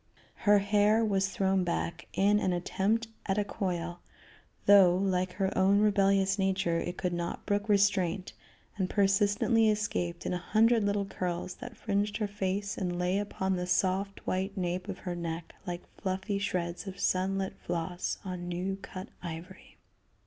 Her hair was thrown back in an attempt at a coil, though, like her own rebellious nature, it could not brook restraint, and persistently escaped in a hundred little curls that fringed her face and lay upon the soft white nape of her neck like fluffy shreds of sun lit floss on new cut ivory.